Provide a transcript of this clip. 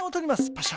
パシャ。